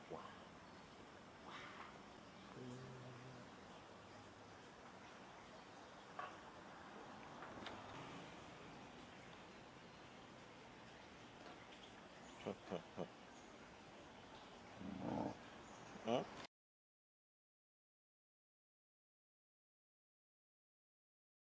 ชอบเท่าไหร่